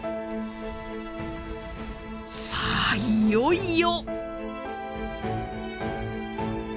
さあいよいよ。